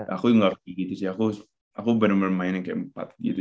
aku gak begitu sih aku bener bener main yang kayak empat gitu